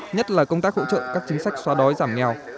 nhất là công tác hỗ trợ các chính sách xóa đói giảm nghèo